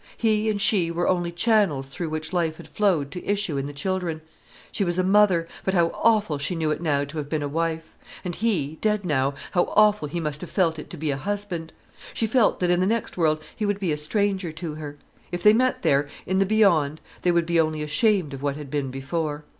He and she were only channels through which life had flowed to issue in the children. She was a mother—but how awful she knew it now to have been a wife. And he, dead now, how awful he must have felt it to be a husband. She felt that in the next world he would be a stranger to her. If they met there, in the beyond, they would only be ashamed of what had been before.